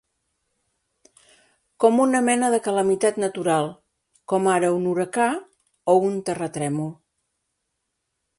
...com una mena de calamitat natural, com ara un huracà o un terratrèmol